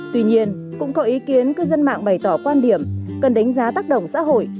tuy nhiên cũng có ý kiến cư dân mạng bày tỏ quan điểm cần đánh giá tác động xã hội